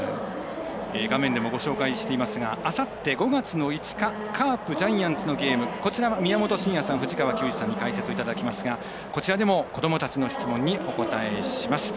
画面でもご紹介していますがあさって５月５日カープ、ジャイアンツのゲーム宮本慎也さん、藤川球児さんに解説いただきますが子どもたちの質問にお答えします。